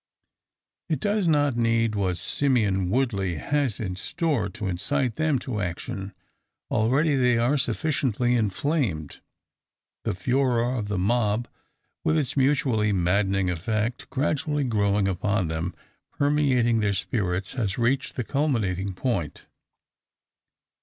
It does not need what Simeon Woodley has in store to incite them to action. Already are they sufficiently inflamed. The furor of the mob, with its mutually maddening effect, gradually growing upon them, permeating their spirits, has reached the culminating point.